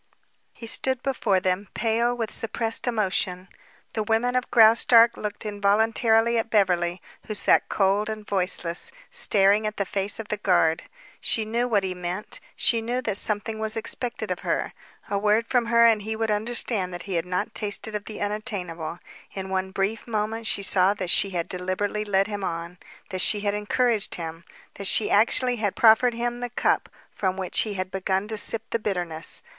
He stood before them, pale with suppressed emotion. The women of Graustark looked involuntarily at Beverly, who sat cold and voiceless, staring at the face of the guard. She knew what he meant; she knew that something was expected of her. A word from her and he would understand that he had not tasted of the unattainable. In one brief moment she saw that she had deliberately led him on, that she had encouraged him, that she actually had proffered him the cup from which he had begun to sip the bitterness.